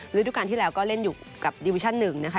ฤดูการที่แล้วก็เล่นอยู่กับดิวิชั่นหนึ่งนะคะ